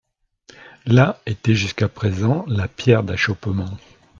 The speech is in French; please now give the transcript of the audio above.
Là était jusqu'à présent la pierre d'achoppement.